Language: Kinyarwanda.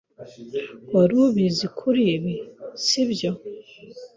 Wari ubizi kuri ibi, si byo?